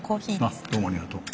あっどうもありがとう。